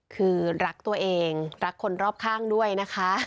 คือรักตัวเองรักคนรอบข้างด้วยนะคะ